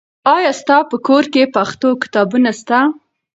آیا ستا په کور کې پښتو کتابونه سته؟